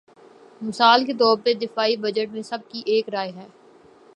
مثال کے طور پر دفاعی بجٹ میں سب کی ایک رائے ہے۔